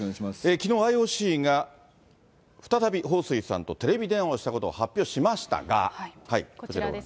きのう、ＩＯＣが再び彭帥さんとテレビ電話をしたことを発表こちらです。